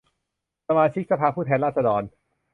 สมาชิกสภาผู้แทนราษฏร